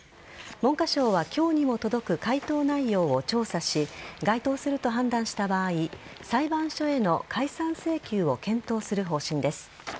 文科省は今日にも届く回答内容を調査し該当すると判断した場合裁判所への解散請求を検討する方針です。